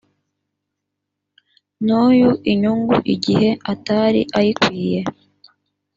n uyu inyungu igihe atari ayikwiriye